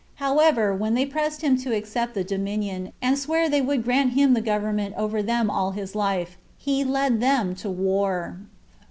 However, when they pressed him to accept the dominion, and sware they would grant him the government over them all his life, he led them to the war.